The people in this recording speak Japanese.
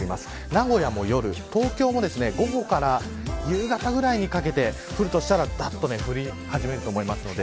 名古屋も夜に、東京は午後から夕方くらいにかけて降るとしたらざっと降り出すと思います。